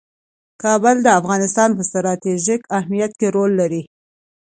کابل د افغانستان په ستراتیژیک اهمیت کې رول لري.